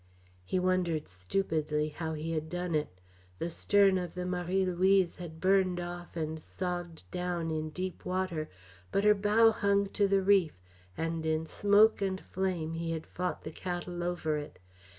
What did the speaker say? He wondered stupidly how he had done it. The stern of the Marie Louise had burned off and sogged down in deep water, but her bow hung to the reef, and in smoke and flame he had fought the cattle over it.